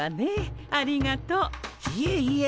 いえいえ。